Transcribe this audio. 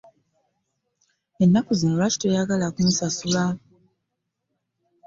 Ennaku zino lwaki toyagala kusasula.